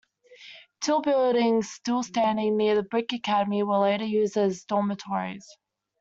Two buildings still standing near the Brick Academy were later used as dormitories.